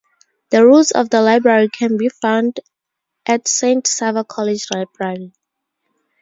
The roots of the library can be found at Saint Sava College library.